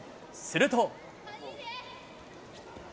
すると。